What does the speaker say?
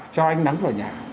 cho ánh nắng vào nhà